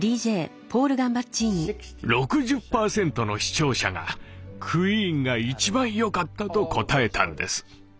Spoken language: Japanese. ６０％の視聴者がクイーンが一番よかったと答えたんです。